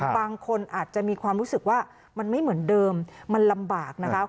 บางคนอาจจะมีความรู้สึกว่ามันไม่เหมือนเดิมมันลำบากนะคะ